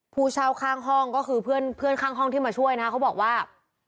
ผู้เช่าข้างห้องก็คือเพื่อนข้างห้องที่มาช่วยนะเขาบอกว่า